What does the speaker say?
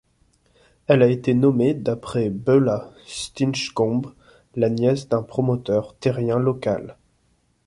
Elle a été nommée d'après Beulah Stinchcombe, la nièce d'un promoteur terrien local.